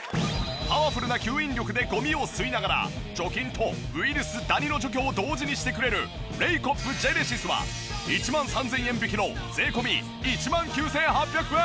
パワフルな吸引力でゴミを吸いながら除菌とウイルス・ダニの除去を同時にしてくれるレイコップジェネシスは１万３０００円引きの税込１万９８００円。